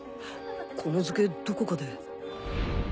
この図形どこかで